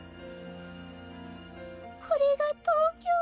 これが東京。